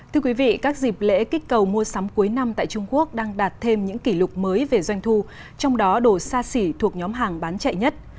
thưa quý vị các dịp lễ kích cầu mua sắm cuối năm tại trung quốc đang đạt thêm những kỷ lục mới về doanh thu trong đó đồ xa xỉ thuộc nhóm hàng bán chạy nhất